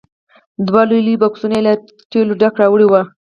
دوه لوی لوی بکسونه یې له تېلو ډک راوړي وو.